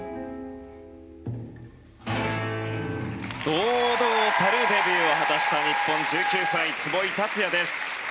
堂々たるデビューを果たした日本、１９歳の壷井達也です。